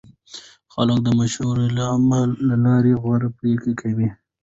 خلک د مشورې له لارې غوره پرېکړې کوي